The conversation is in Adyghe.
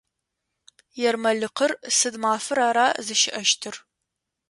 Ермэлыкъыр сыд мафэр ара зыщыӏэщтыр?